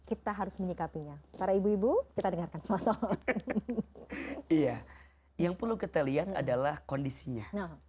iya yang perlu kita lihat adalah kondisinya